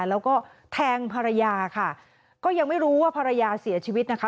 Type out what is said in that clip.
แล้วก็แทงภรรยาค่ะก็ยังไม่รู้ว่าภรรยาเสียชีวิตนะคะ